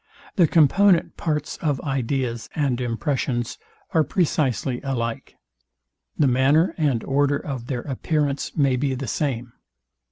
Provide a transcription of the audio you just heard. The component part of ideas and impressions are precisely alike. The manner and order of their appearance may be the same.